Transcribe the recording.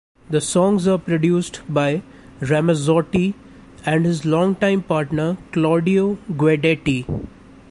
The songs are produced by Ramazzotti and his longtime partner Claudio Guidetti.